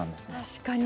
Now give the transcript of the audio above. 確かに。